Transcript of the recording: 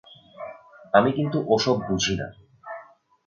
আমি কিন্তু ও-সব কিছু বুঝি না।